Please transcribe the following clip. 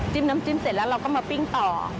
น้ำจิ้มเสร็จแล้วเราก็มาปิ้งต่อ